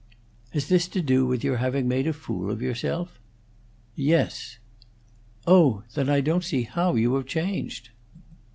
"Has this to do with your having made a fool of yourself?" "Yes." "Oh! Then I don't see how you have changed."